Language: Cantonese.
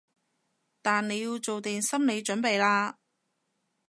但你要做定心理準備喇